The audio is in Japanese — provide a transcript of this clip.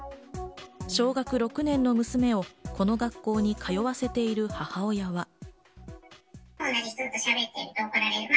小学６年の娘をこの学校に通わせている母親は。